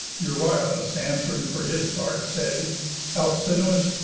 Euryalus, Answ'ring for his part, said: "Alcinous!